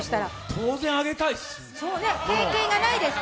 当然、あげたいっす。